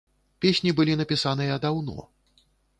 Песні былі напісаныя даўно.